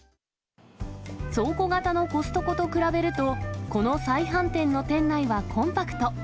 倉庫型のコストコと比べると、この再販店の店内はコンパクト。